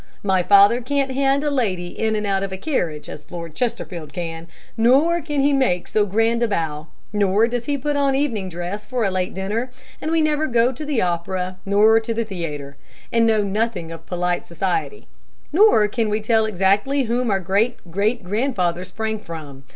My father can't hand a lady in and out of a carriage as Lord Chesterfield can, nor can he make so grand a bow, nor does he put on evening dress for a late dinner, and we never go to the opera nor to the theatre, and know nothing of polite society, nor can we tell exactly whom our great great grandfather sprang from.